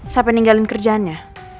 sampai ninggalin kerjaannya